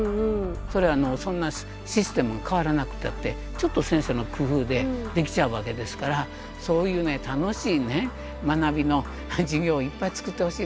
そんなシステム変わらなくたってちょっと先生の工夫でできちゃうわけですからそういうね楽しい学びの授業いっぱい作ってほしいなと思いますね。